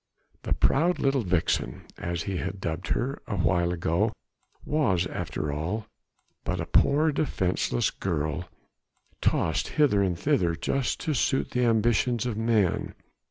The proud little vixen, as he had dubbed her a while ago, was after all but a poor defenceless girl tossed hither and thither just to suit the ambitions of men.